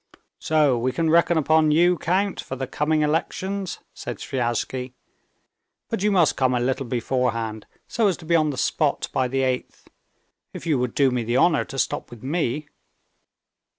"So we can reckon upon you, count, for the coming elections?" said Sviazhsky. "But you must come a little beforehand, so as to be on the spot by the eighth. If you would do me the honor to stop with me."